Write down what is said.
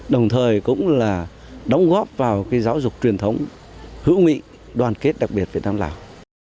đồng thời cũng là đóng góp vào giáo dục truyền thống hữu nghị đoàn kết đặc biệt việt nam lào